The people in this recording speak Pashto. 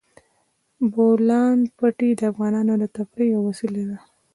د بولان پټي د افغانانو د تفریح یوه وسیله ده.